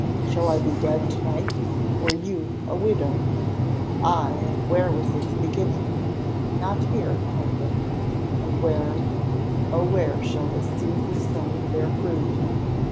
Shall I be dead to night, or you a widow? Aye, and where was its beginning? Not here, I think. And where, oh where shall this seed we sow bear fruit?